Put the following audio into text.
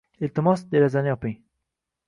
Iltimos, derazani yoping